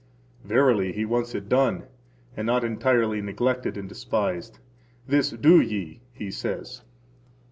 Verily, He wants it done, and not entirely neglected and despised. This do ye, He says.